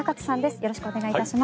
よろしくお願いします。